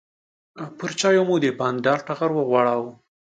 پر چایو مو د بانډار ټغر وغوړاوه.